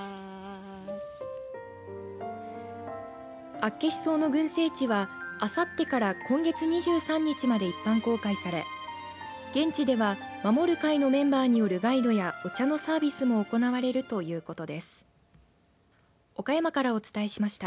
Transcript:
アッケシソウの群生地はあさってから今月２３日まで一般公開され現地では守る会のメンバーによるガイドやお茶のサービスも行われるということです。